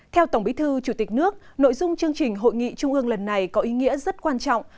theo tổng bí thư chủ tịch nước nội dung chương trình hội nghị trung ương lần này có ý nghĩa rất quan trọng